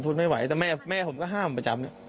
โอ้โฮผมทนไม่ไหวแต่แม่ผมก็ห้ามประจำ